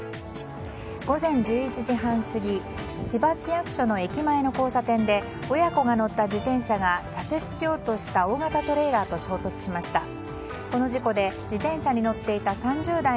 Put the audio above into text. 午前１１時半過ぎ千葉市役所の駅前の交差点で親子が乗った自転車が左折しようとした大型トレーラーと衝突しました。